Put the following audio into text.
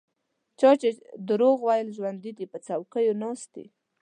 چا چې دروغ ویل ژوندي دي په چوکیو ناست دي.